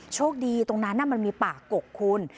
โชคดีตรงนั้นน่ะมันมีปากโกกคูล